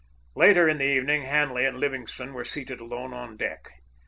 Later in the evening Hanley and Livingstone were seated alone on deck.